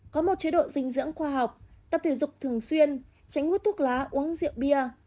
có một chế độ dinh dưỡng khoa học tập thể dục thường xuyên tránh hút thuốc lá uống rượu bia